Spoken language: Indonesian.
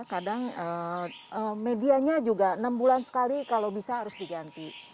kadang medianya juga enam bulan sekali kalau bisa harus diganti